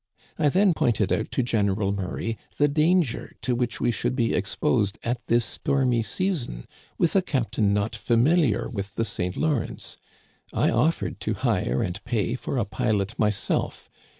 " I then pointed out to General Murray the danger to which we should be exposed at this stormy season with a captain not familiar with the St. Lawrence. I offered to hire and pay for a pilot myself.